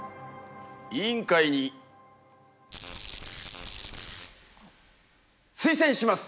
委員会に推薦します。